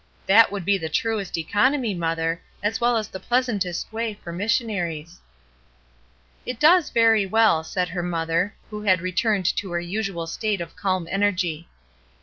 That would be the truest econ omy, Mother, as well as the pleasantest way for missionaries/' "It does very well," said her mother, who had returned to her usual state of calm energy.